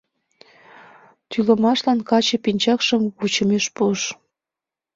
Тӱлымашлан каче пинчакшым вучымеш пуыш.